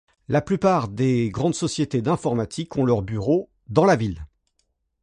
La plupart des grandes sociétés d’informatique ont leurs bureaux dans la ville.